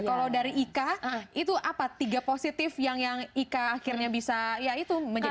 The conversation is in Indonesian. kalau dari ika itu apa tiga positif yang ika akhirnya bisa menjadi pemenang